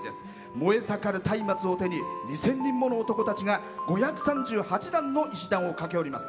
燃え盛るたいまつを手２０００人もの男たちが５３８段の石段を駆け上ります。